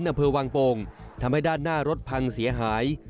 อำเภอวังโป่งทำให้ด้านหน้ารถพังเสียหาย